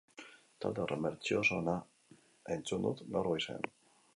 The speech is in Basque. Talde horren bertsio oso ona entzun dut gaur goizean